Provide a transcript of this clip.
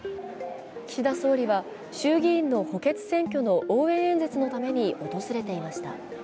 岸田総理は衆議院の補欠選挙の応援演説のために訪れていました。